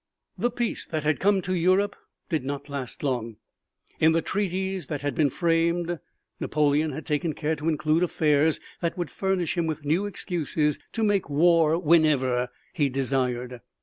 The peace that had come to Europe did not last long. In the treaties that had been framed Napoleon had taken care to include affairs that would furnish him with new excuses to make war whenever he desired.